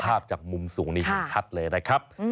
ภาพจากมุมสูงนี้เห็นชัดเลยนะครับ